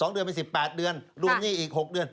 ๒เดือนไป๑๘เดือนรวมหนี้อีก๖เดือน